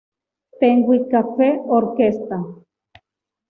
Penguin Cafe Orchestra